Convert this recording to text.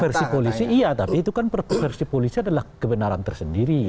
versi polisi iya tapi itu kan versi polisi adalah kebenaran tersendiri